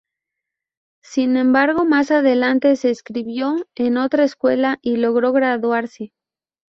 Sin embargo, más adelante se inscribió en otra escuela y logró graduarse.